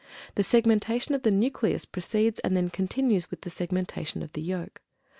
The segmentation of the nucleus precedes and then continues with the segmentation of the yolk.